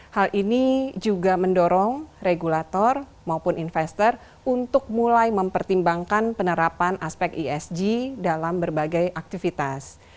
hal ini juga mendorong regulator maupun investor untuk mulai mempertimbangkan penerapan aspek esg dalam berbagai aktivitas